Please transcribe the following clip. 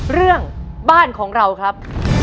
เรื่องบ้านของเราครับ